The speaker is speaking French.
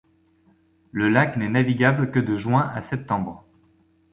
Le lac n'est navigable que de juin à septembre.